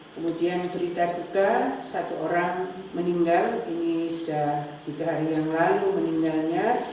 kemudian berita duka satu orang meninggal ini sudah tiga hari yang lalu meninggalnya